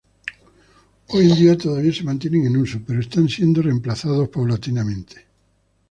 Hoy día todavía se mantienen en uso, pero están siendo reemplazando paulatinamente.